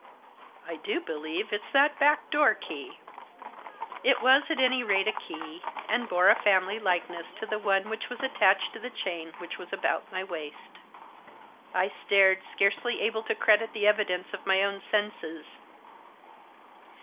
I do believe — it's that back door key!" It was, at any rate, a key ; and bore a family like ness to the one which was attached to the chain which was about my waist. I stared, scarcely able to credit the evidence of my own senses.